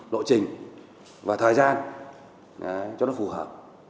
lộ trình và thời gian cho nó phù hợp